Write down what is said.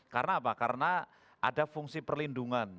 karena apa karena ada fungsi perlindungan